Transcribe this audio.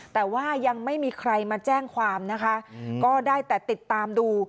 แต่ว่ายังไม่มีใครมาแจ้งความนะคะก็ได้แต่ติดตามดู